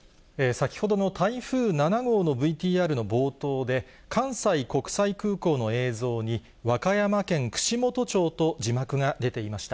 先ほどの台風７号のＶＴＲの冒頭で、関西国際空港の映像に和歌山県串本町と字幕が出ていました。